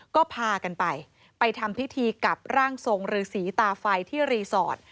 ก็พากันไปไปทำพิธีกับร่างทรงฤษีตาไฟที่รีสอร์ท